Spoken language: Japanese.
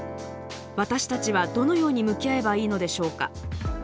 私たちは、どのように向き合えばいいのでしょうか。